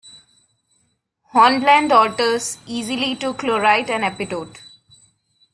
Hornblende alters easily to chlorite and epidote.